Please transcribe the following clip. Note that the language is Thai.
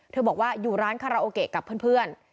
บอกว่าอยู่ร้านคาราโอเกะกับเพื่อน